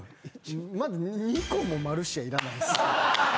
２個もマルシアいらないっす。